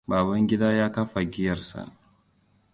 Babangida ya kafa giyarsa.